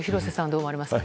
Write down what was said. どう思われますか？